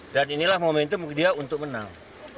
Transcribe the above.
dan inilah momentum dia untuk menang